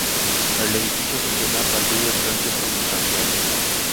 El edificio funcionó a partir de entonces como santuario.